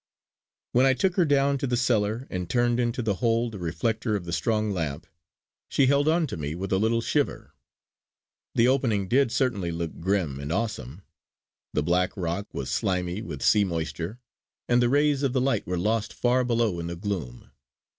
When I took her down to the cellar and turned into the hole the reflector of the strong lamp, she held on to me with a little shiver. The opening did certainly look grim and awesome. The black rock was slimy with sea moisture, and the rays of the light were lost far below in the gloom.